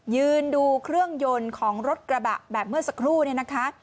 ยืนดูเครื่องยนต์ของรถกระบะแบบเมื่อสักครู่เนี่ยนะคะ